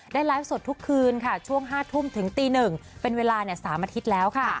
ไลฟ์สดทุกคืนค่ะช่วง๕ทุ่มถึงตี๑เป็นเวลา๓อาทิตย์แล้วค่ะ